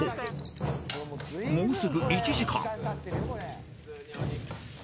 ［もうすぐ１時間］